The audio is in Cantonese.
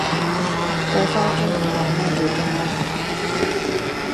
嗰花樽係媽咪最鍾意嘅